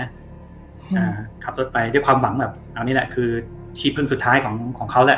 อ่าขับรถไปด้วยความหวังแบบเอานี่แหละคือที่พึ่งสุดท้ายของของเขาแหละ